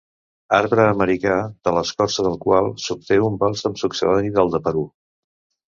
Arbre americà de l'escorça del qual s'obté un bàlsam succedani del de Perú.